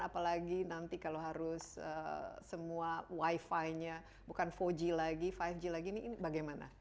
apalagi nanti kalau harus semua wifi nya bukan empat g lagi lima g lagi ini bagaimana